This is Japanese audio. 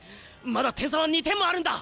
まだ点差は２点もあるんだ！